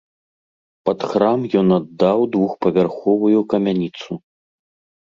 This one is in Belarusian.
Пад храм ён аддаў двухпавярховую камяніцу.